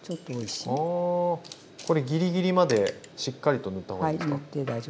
これギリギリまでしっかりと塗ったほうがいいですか？